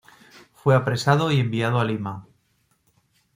Fue apresado y enviado a Lima.